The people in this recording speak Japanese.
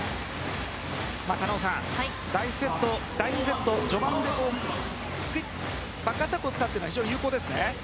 狩野さん、第２セット序盤でバックアタックを使ったのは非常に有効ですね。